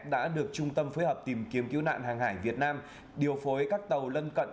đã được trung tâm phối hợp tìm kiếm cứu nạn hàng hải việt nam điều phối các tàu lân cận